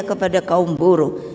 kepada kaum buruh